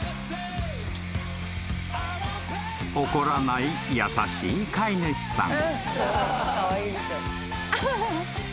［怒らない優しい飼い主さん］